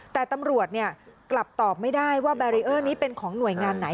แต่ตำรวจเนี่ยกลับตอบไม่ได้ว่านี้เป็นของหน่วยงานไหน